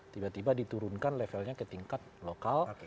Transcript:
tiba tiba diturunkan levelnya ke tingkat lokal